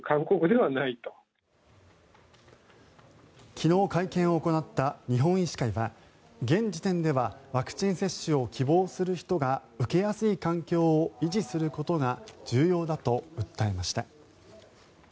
昨日会見を行った日本医師会は現時点では、ワクチン接種を希望する人が受けやすい環境を維持することが重要だと訴えました。